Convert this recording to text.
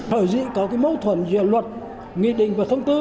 hồi dị có cái mâu thuẫn giữa luật nghị định và thông tư